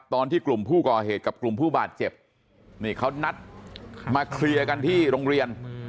ตอนที่กลุ่มผู้ก่อเหตุกับกลุ่มผู้บาดเจ็บนี่เขานัดมาเคลียร์กันที่โรงเรียน